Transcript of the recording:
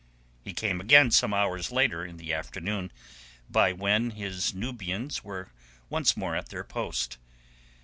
He came again some hours later, in the afternoon, by when his Nubians were once more at their post.